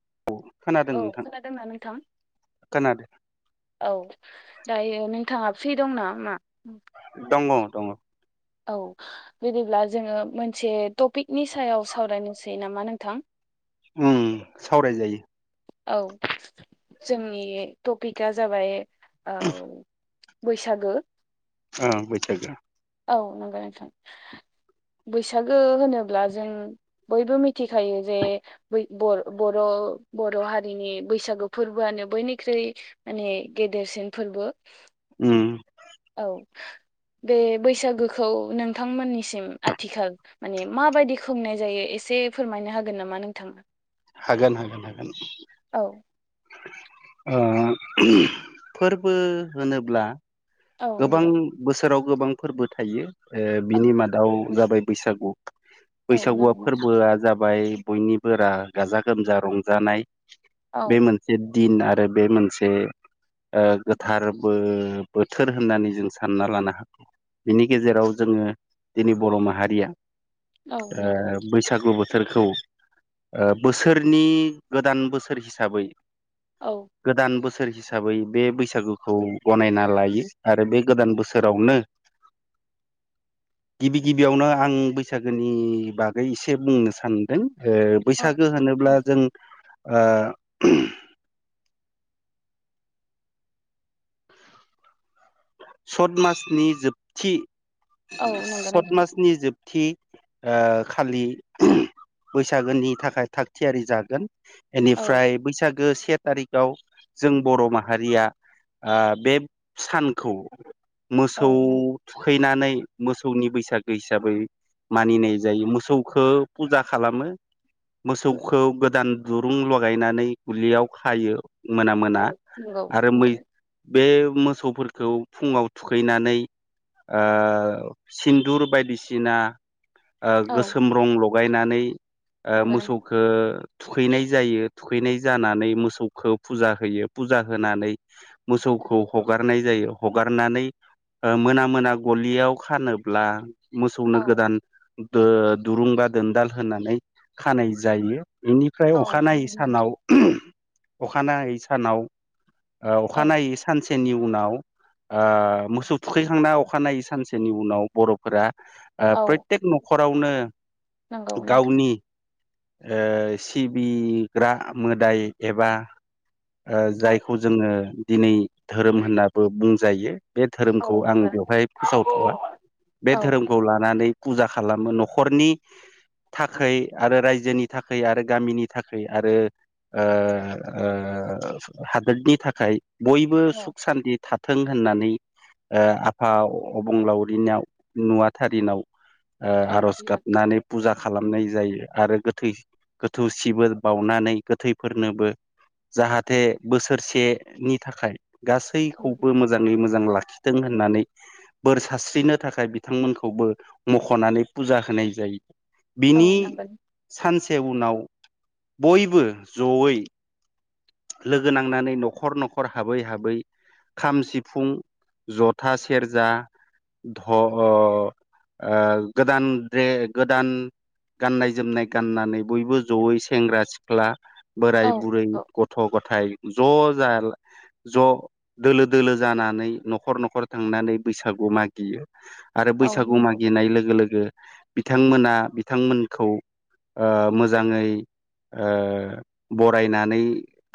[inaudible] औ नोंथां खोनादोंना नोंथां खोनादों औ दायो नोंथाङा फ्रि दं नामा दंङ दंङो औ बिदिब्ला जोंङो मोनसे टपिकनि सायाव सावरायनोसै नामा नोंथां उम सावरायजायो औ जोंनि टपिकआ जाबाय औ बैसागो अ बैसागु औ नंगौ नोंथां बैसागो होनोब्ला जों बयबो मिथिखायो जे बर' बर' हारिनि बैसागु फोरबोआनो बयनिख्रुइ माने गेदेरसिन फोरबो उम औ बे बैसागोखौ नोंथांमोननिसिम आथिखाल माने माबायदि खुंनाय जायो एसे फोरमायनो हागोन नामा नोंथां हागोन हागोन हागोन ओ फोरबो होनोब्ला औ गोबां नंगौ बोसोराव गोबां फोरबो थायो बिनि मादाव जाबाय बैसागु औ बैसागुआ नंगौ नोंथां फोरबोआ जाबाय बयनिबोरा गाजा गोमजा रंजानाय औ बे मोनसे दिन आरो बे मोनसे गोथारबो बोथोर बोथोर होननानै जों सानना लानो हागौ बिनि गेजेराव जोंङो दिनै बर' माहारिया औ ओ नंगौ नोंथां बैसागु बोथोर बिसोरखौ बोसोरनि गोदान बोसोर हिसाबै औ गोदान बोसोर हिसाबै बे बैसागुखौ गनायना लायो आरो बे गोदान बोसोरावनो गिबि गिबियावनो आं बैसागोनि बागै एसे बुंनो सानदों औ बैसागो होनोब्ला नंगौ जों सत मासनि जोबथि औ नंगौ सत नोंथां मासनि जोब [unintelligible] खालि बैसागोनि थाखाय थाग थियारि जागोन। औ बेनिफ्राय बैसागो से थारिखाव जों बर' माहारिया ओ बे सानखौ औ मोसौ नंगौ थुखैनानै मोसौनि बैसागो हिसाबै मानिनाय जायो मोसौखौ फुजा खालामो। मोसौखौ गोदान दुरुं लगायनानै गलियाव खायो। मोना औ -मोना नंगौ आरो मै नोंथां बे मोसौफोरखौ फुङाव थुखैनानै सिन्दुर ओ बायदिसिना ओ औ गोसोम रं लगायनानै ओ नंगौ नोंथां मोसौखो थुखैनाय जायो। थुखैनाय जानानै मोसौखौ फुजा होयो फुजा होनानै मोसौ [unintelligible] हगारनाय जायो। हगारनानै मोना -मोना गलियाव खानोब्ला मोसौनो औ गोदान दु-दुरुं बा दोनदाल होनानै खानाय जायो। बेनिफ्राय औ अखानायै नंगौ सानाव नोंथां अखानायै सानाव औ अखानायै सानसेनि उनाव ओ मोसौ थुखैखांना अखानायै सानसेनि उनाव बर'फोरा प्रतेक न'खरावनो नंगौ नोंथां। गावनि ओ सिबिग्रा मोदाय एबा औ जायखौ जोङो दिनै धोरोम होननाबो बुंजायो। बे औ धोरोमखौ आं बेवहाय फोसावथ'वा बे औ धोरोमखौ लानानै फुजा खालामो न'खरनि थाखाय आरो रायजो रायजोनि थाखाय आरो गामिनि थाखाय आरो ओ ओ हादोरनि थाखाय बयबो औ सुख -सान्थि थाथों होननानै ओ आफा अबंलावरिनाव नुवाथारिनाव ओ औ आर'ज गाबनानै फुजा खालाम होनाय जायो आरो गोथै -गोथौ सिबोल बावनानै गोथैफोरनोबो जाहाथे बोसोरसेनि थाखाय गासैखौ मोजाङै मोजां लाखिथों होननानै बोर सारस्रिनो थाखाय बिथांमोनखौबो मख'नानै फुजा होनाय जायो। बिनि नंगौ सानसे उनाव बयबो जयै लोगो नांनानै न'खर -न'खर हाबै- हाबै खाम, सिफुं, जथा, सेरजा [unintelligible] ओ‌ गोदान‌ रे-गोदान गाननाय -जोमनाय गाननानै बयबो जयै सेंग्रा- सिख्ला, बोराय औ -बुरै औ गथ' गथाय ज' जालाय ज' दोलो -दोलो जानानै न'खर- न'खर थांनानै बैसागु मागियो आरो औ बैसागु नंगौ मागिनाय लोगो -लोगो बिथांमोना बिथांमोनखौ ओ मोजाङै ओ बरायनानै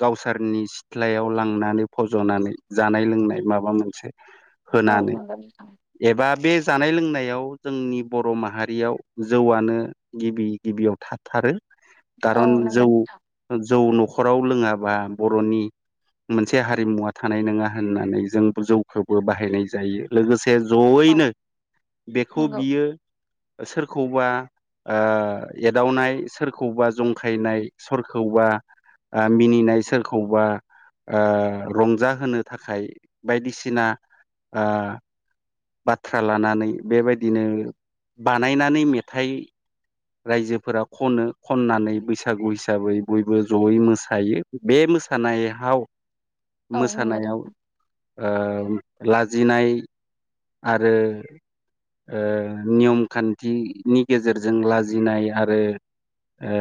गावसोरनि सिथ्लायाव लांनानै फज'नानै जानाय- लोंनाय माबा मोनसे औ होनानै नंगौ नोंथां। एबा बे जानाय -लोंनायाव जोंनि बर' माहारियाव जौआनो गिबि गिबियाव थाथारो। औ खारन नंगौ जौ नोंथां -जौ न'खराव लोङाबा बर'नि मोनसे हारिमुवा थानाय नङा होननानै जों जौखौबो बाहायनाय जायो लोगोसे औ जयैनो बेखौ नंगौ बियो सोरखौबा ओ एदावनाय सोरखौबा जंखायनाय सोरखौबा मिनिनाय सोरखौबा ओ रंजाहोनो थाखाय बायदिसिना ओ बाथ्रा लानानै बेबायदिनो बानायनानै मेथाइ रायजोफोरा खनो खननानै बैसागु हिसाबै बयबो जयै मोसायो बे मोसानाय हाव औ नंगौ मोसानायाव ओ नोंथां लाजिनाय आरो ओ नियम खान्थिनि गेजेरजों लाजिनाय आरो ओ‌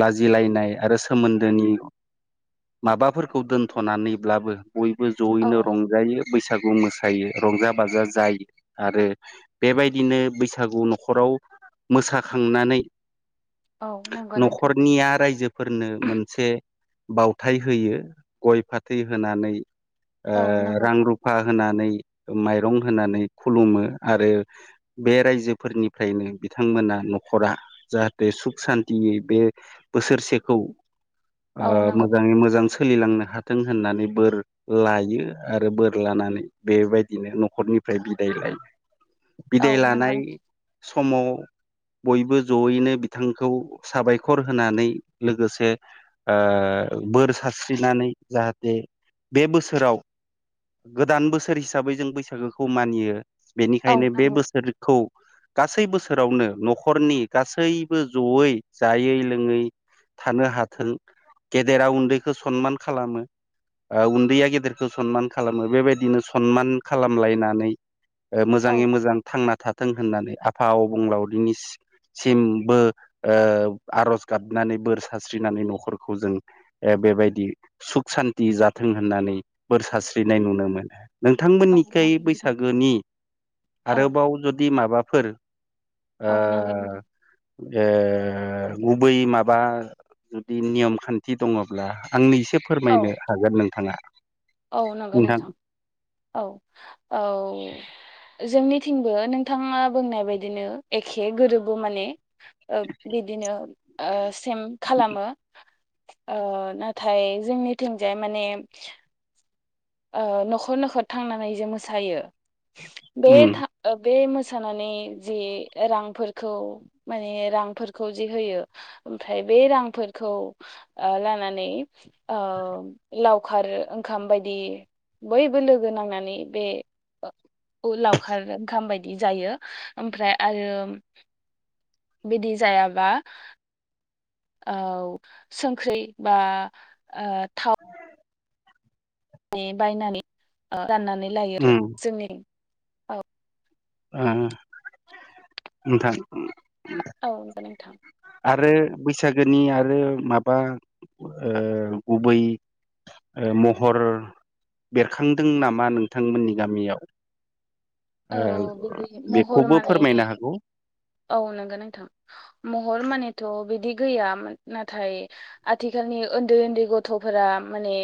लाजिलायनाय आरो सोमोन्दोनि माबाफोरखौ दोनथ'नानैब्लाबो बयबो औ जयैनो रंजायो बैसागु मोसायो रंजा बाजा जाय आरो बेबायदिनो बैसागु न'खराव मोसाखांनानै औ नंगौ नोंथां न'खरनिया रायजो फोरनो मोनसे बावथाय होयो गय फाथै होनानै ओ औ नंगौ रां रुफा होनानै माइरं होननानै खुलुमो आरो बे रायजोफोरनिफ्रायनो बिथांमोना न'खरा जाहाथे सुख सान्तियै बे बोसोरसेखौ ओ औ नंगौ मोजाङै मोजां सोलिलांनो हाथों होननानै बोर लायो आरो बोर लानानै बेबायदिनो न' खरनिफ्राय बिदाय लायो औ बिदाय लानाय नंगौ समाव [inaudible] बयबो जयैनो बिथांखौ साबायखर होनानै लोगोसे ओ बोर सारस्रिनानै जाहाथे बे बोसोराव गोदान बोसोर हिसाबै जों बैसागुखौ मानियो औ बेनिखायनो बे नंगौ बोसोरखौ गासै बोसोरावनो न'खरनि गासैबो जयै जायै लोङै थानो हाथों गेदेरा उन्दैखौ सनमान खालामो आ उन्दैया गेदेरखौ सनमान खालामो बेबायदिनो सनमान खालामलायनानै अ मोजाङै औ मोजां थांना थाथों होननानै आफा आबंलावरिनि सिमबो ओ आर'ज गाबनानै बोर सास्रिनानै न'खरखौ जों एब बेबायदि सुख सान्थि जाथों होननानै बोर सारस्रिनाय नुनो मोनो नोंथांमोन औ खै नंगौ नोंथां बैसागोनि औ आरोबाव जुदि माबाफोर औ नांगोन ए गुबै माबा जुदि नियम खान्थि दङ'ब्ला आंनिस से औ फोरमायनो हागोन नोंथाङा औ नंगौ नोंथां औ औ जोंनिथिंबो नोंथाङा बुंनाय बायदिनो एखे गोरोबो माने ओ बे बिदिनो सेम खालामो ओ नाथाय जोंनिथिंजाय माने ओ न'खर-न'खर थांनानै जे मोसायो बे उम था ओ बे मो सानानै जि रांफोरखौ माने रांफोरखौ जि होयो ओमफाय बे रांफोरखौ ओ लानानै ओ लावखार ओंखाम बायदि बयबो लोगो नांनानै बे ओ उलावखार ओंखाम बाय दि जायो ओमफ्राय आरो बिदि जायाबा औ संख्रै बा ओ [unintelligible] मे बायनानै ओ राननानै लायो आरो उम जोंनि ओ उम नोंथां उम औ गौ नोंथां आरो बैसागोनि आरो माबा ओ गुबै ओ महर बेरखांदों नामा नोंथांमोननि गामियाव? औ ओ बिदि महर बेखौबो माने फोरमायनो हागौ औ नंगौ नोंथां महर मानेथ' बिदि गैयामोन नाथाय आथिखालनि ओन्दै-ओन्दै गथ'फोरा माने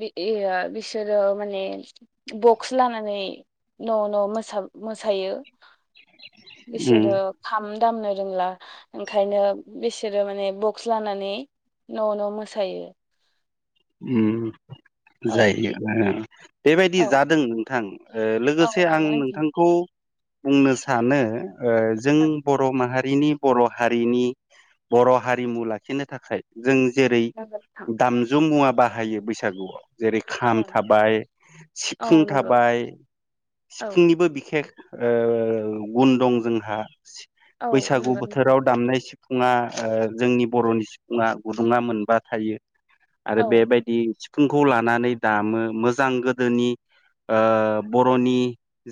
बि एया बिसोरो माने बक्स लानानै न' - न' मोसा-मोसायो उम बिसोरो खाम दामनो रोंला ओंखायनो बिसोरो माने बक्स लानानै न' न' मोसायो। उम [inaudible] जायो अ बेबायदि औ जादों नोंथां ओ औ लोगोसे आं नंगौ आंथि नोंथांखौ बुंनो सानो अ जों बर' माहा- नि बर' हारिनि बर' हारिमु लाखिनो थाखाय जों जेरै नंगौ नोंथां दामजु मुवा बाहायो बैसागुआव जेरै औ खाम थाबाय औ सिफुं नंगौ थाबाय औ सिफुंनिबो बिखेख ओ गुन दं जोंहा औ बैसागु नंगौ नोंथां बोथोराव दामनाय सि फुङा जोंनि बर'नि सिफुङा गुदुङा मोनबा थायो आरो औ बेबायदि सिफुंखौ लानानै दामो मोजां गोदोनि ओ बर'नि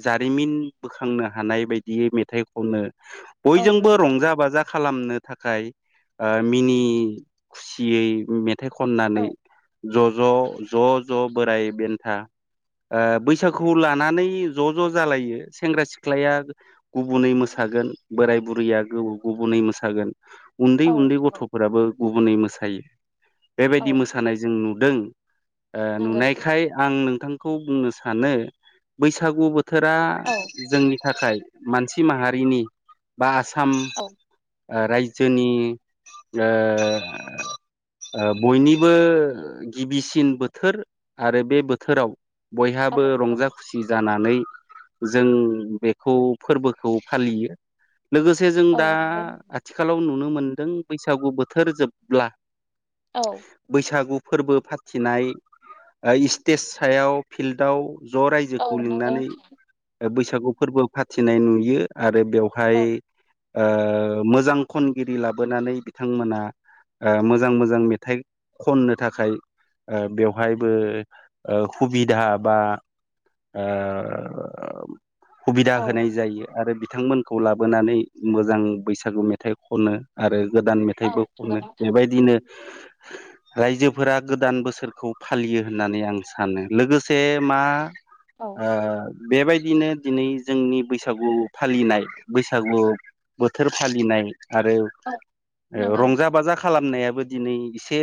जारिमिन बोखांनो हानाय बायदियै मेथाइ खननो औ बयजोंबो नंगौ रंजा बाजा खालामनो थाखाय ओ मिनि खुसियै मेथाइ खन औ ज'-ज' ज'-ज' बोराय बेन्था ओ बैसागुखौ लानानै ज' - ज' जालायो सेंग्रा- सिख्लाया गुबुनै मोसा गोन बोराय- बुरैया गुबुनै मोसागोन औ उन्दै-उन्दै नंगौ गथ'फोराबो गुबुनै मोसायो औ बेबायदि मोसा नुदों ओ नंगौ नुनायखाय आं नों थांखौ बुंनो सानो बैसागु बोथोरा औ जोंनि थाखाय मानसि माहारिनि बा आसाम औ ओ रायजोनि ओ-ओ बयनि बो गिबिसिन बोथोर आरो बे बोथोराव बयहाबो औ नंगौ रंजा - खुसि जाना नानै जों बेखौ फोरबोखौ फालियो लोगोसे जों औ दा नंगौ नोंथां। आथिखालाव नुनो मोनदों बैसागु बोथोर जोबब्ला बैसागु फोरबो फाथिनाय इस्टेज सायाव फिल्डआव ज' औ रायजोखौ नंगौ लिंनानै बैसागु फोरबो फाथिनाय नुयो आरो बेवहाय ओ मोजां खनगिरि लाबोनानै बिथांमोना ओ मोजां-मोजां मेथाइ खननो थाखाय ओ बेवहायबो ओ सुबिदा बा ओ सुबिदा होनाय जायो आरो बिथांमोन खौ लाबोनानै मोजां बैसागु मेथाइ खननो आरो गोदान मेथाइबो खननो नोंथां बेबायदिनो [unintelligible] रायजोफोरा गोदान बोसोरखौ फालियो होननानै आं सानो लोगोसे मा औ ओ बेबायदिनो दिनै जोंनि बैसागु फालिनाय बैसागु बोथोर फालिनाय आरो औ नंगौ रंजा नोंथां बाजा खालामनायाबो दिनै एसे एसे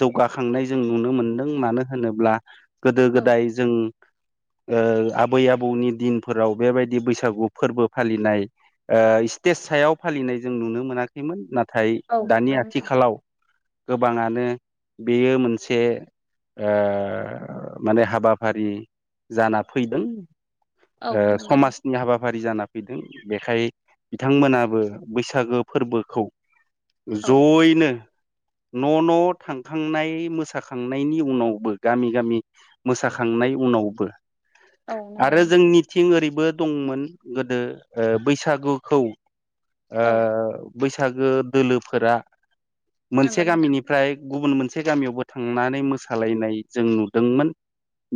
जौगाखांनाय जों नुनो मोनदों मानो होनोब्ला गोदो - औ गोदाय जों ओ-आबै आबौनि दिनफोराव बेबायदि बैसागु फोरबो फालिनाय इस्टेज सायाव फालिनाय जों नुनो मोनाखैमोन नाथाय औ नंगौ दानि नोंथां आथिखालाव गोबाङानो बेयो मोनसे ओ माने हाबाफारि जाना फैदों ओ समाजनि हाबाफारि जाना फैदों बेखाय बिथांमोनाबो बैसागो फोरबोखौ औ जयैनो। न'न' थांखांनाय मोसाखांनायनि उनावबो गामि गामि मोसाखां थांनाय उनावबो औ नंगौ आरो नोंथां जोंनिथिं ओरैबो दंमोन गोदो ओ बैसागुखौ ओ औ बैसागो दोलोफोरा नंगौ मोनसे नों गामिनिफ्राय गुबुन मोनसे गामियावबो थांनानै मोसालायनाय जों नुदोंमोन।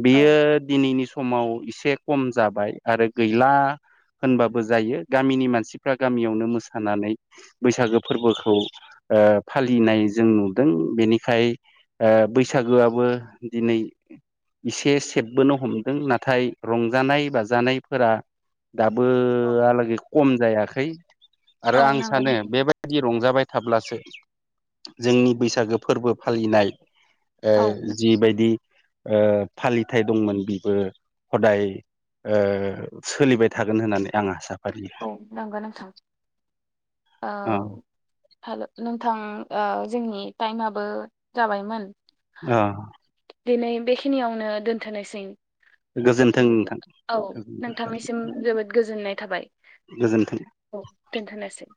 बियो दिनैनि समाव एसे खम जाबाय आरो गैला। होनबाबो जायो गामिनि मानसिफ्रा गामियावनो मोसानानै बैसागो फोरबोखौ ओ फालिनाय जों नुदों बेनिखाय ओ बैसागोआबो दिनै इसे सेबबोनो हमदों नाथाय रंजानाय बाजानायफोरा औ दाबोहालागै खशकम जायाखै आरो औ आं नंगौ नोंथां औ नंगौ नोंथां औ नंगौ सानो नोंथां बेबायदि रंजाबाय थाब्लासो जोंनि बैसागो फोरबो फालिनाय ओ औ जिबायदि ओ फालिथाइ दंमोन बेबो हदाय ओ सोलिबाय थागोन होननानै आं आसा फारियो औ नंगौ नोंथां औ अ हेल' नों थां ओ जोंनि टाइमाबो जाबायमोन। ओ। दिनै बेखिनियावनो दोनथ'नोसै। गोजोन्थों बिदिब्ला नोंथां औ नोंथांनिसिम जोबोद गोजोननाय थाबाय। गोजोन्थों औ दोन्थ'नोसै।